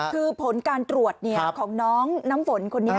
คือผลการตรวจของน้องน้ำฝนคนนี้